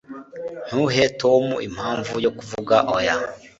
Ntuhe Tom impamvu yo kuvuga oya